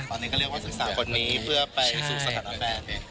ตอนนี้ก็เรียกว่าศึกษาคนนี้เพื่อไปสู่สถานะแฟน